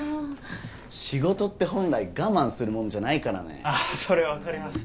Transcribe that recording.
仕事って本来我慢するもんじゃないからねああそれ分かります